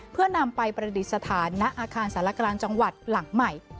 เพื่อนำไปประดิษฐานณอาคารสารกลางจังหวัดหลังใหม่